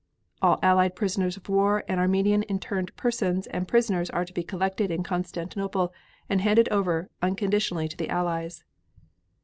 All Allied prisoners of war and Armenian interned persons and prisoners are to be collected in Constantinople and handed over unconditionally to the Allies.